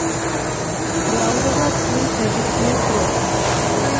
მრავლდება წლის ნებისმიერ დროს.